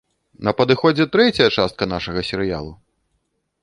На падыходзе трэцяя частка нашага серыялу!